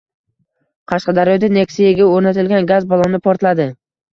Qashqadaryoda Nexia’ga o‘rnatilgan gaz balloni portladi